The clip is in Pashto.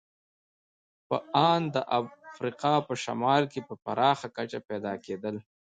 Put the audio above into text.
په ان د افریقا په شمال کې په پراخه کچه پیدا کېدل.